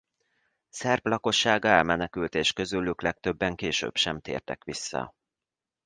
Szerb lakossága elmenekült és közülük legtöbben később sem tértek vissza.